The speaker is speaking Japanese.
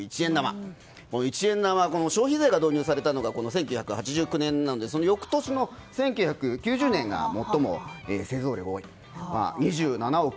この一円玉は消費税が導入されたのは１９８９年なのでその翌年の１９９０年が最も製造量が多い。